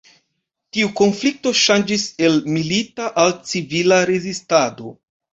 Tiu konflikto ŝanĝis el milita al civila rezistado.